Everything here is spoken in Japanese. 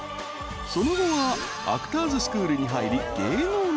［その後はアクターズスクールに入り芸能の道へ］